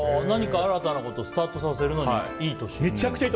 何か新たなことスタートさせるのにいい年と。